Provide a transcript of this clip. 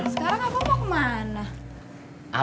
sekarang abang mau kemana